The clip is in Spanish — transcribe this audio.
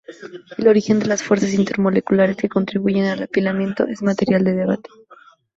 El origen de las fuerzas intermoleculares que contribuyen al apilamiento es materia de debate.